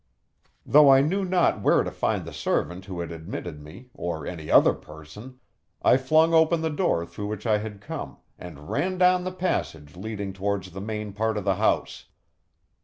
Though I knew not where to find the servant who had admitted me, or any other person, I flung open the door through which I had come, and ran down the passage leading towards the main part of the house.